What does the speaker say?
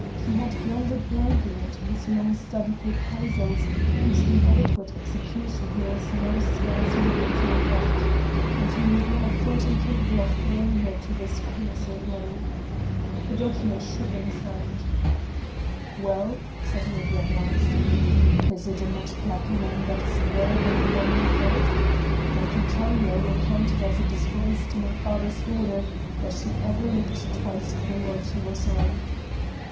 He had blundered blindly into his long studied reprisals whose inadequate execution he was now scarce willing to regret, and Olivia had thought him capable of throwing her to this colossal rogue! The document shook in his hand. "Well?" said Olivia at last. "Is it a much blacker man that is there than the one you thought? I can tell you I will count it a disgrace to my father's daughter that she ever looked twice the road he was on."